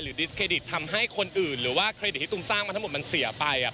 ดิสเครดิตทำให้คนอื่นหรือว่าเครดิตที่ตุ้มสร้างมาทั้งหมดมันเสียไป